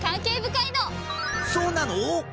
そうなの？